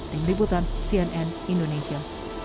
tim ributan cnn indonesia